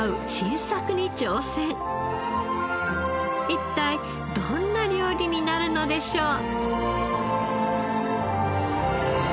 一体どんな料理になるのでしょう？